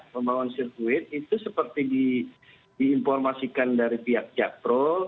pembangunan sirkuit itu seperti diinformasikan dari pihak pihak pro